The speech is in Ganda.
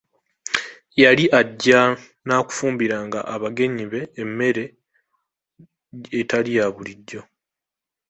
Yali ajja na kufumbiranga abagenyi be emmere etali ya bulijjo.